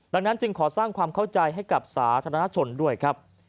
ดังนั้นจึงขอสร้างความเข้าใจให้กับสาธารณชนด้วยครับ